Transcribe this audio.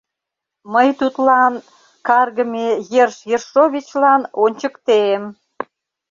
Мый тудлан, каргыме Ерш Ершовичлан, ончыктем!..